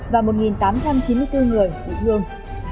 và một tám trăm chín mươi bốn người bị thương